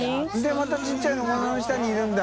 泙ちっちゃいのこの下にいるんだ。